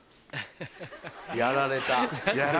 やられた。